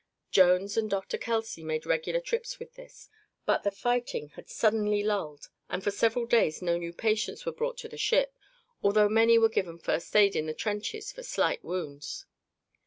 Jones and Dr. Kelsey made regular trips with this, but the fighting had suddenly lulled and for several days no new patients were brought to the ship, although many were given first aid in the trenches for slight wounds.